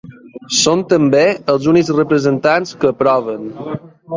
Són, també, els únics representants que aproven.